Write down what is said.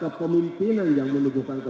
kepemimpinan yang menentukan kita